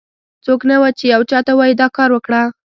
څوک نه و، چې یو چا ته ووایي دا کار وکړه.